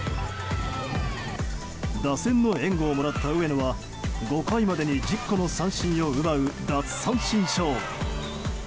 打線の援護をもらった上野は５回までに１０個の三振を奪う奪三振ショー。